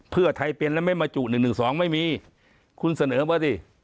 เพื่อไทยเป็นแล้วไม่มาจุ๑๑๒ไม่มีคุณเสนอมาสิ